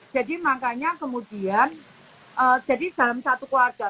jadi makanya kemudian jadi dalam satu keluarga